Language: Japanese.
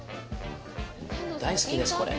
大好きです、これ。